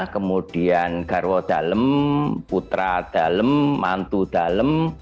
kemudian garwo dalem putra dalem mantu dalem